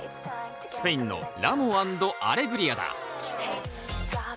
スペインのラモ＆アレグリアだ。